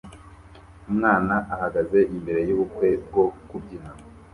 Umwana ahagaze imbere yubukwe bwo kubyina